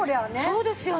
そうですよね。